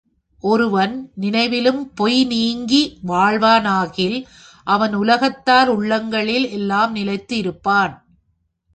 ஒருவன் நினைவிலும் பொய் நீங்கி வாழ்வானாகில் அவன் உலகத்தார் உள்ளங்களில் எல்லாம் நிலைத்து இருப்பான்.